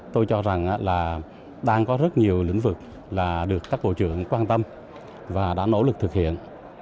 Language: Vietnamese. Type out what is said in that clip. tôi cho rằng là đang có rất nhiều lĩnh vực là được các bộ trưởng quan tâm và đã nỗ lực thực hiện